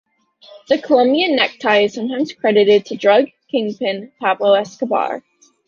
The Colombian necktie is sometimes credited to drug kingpin Pablo Escobar.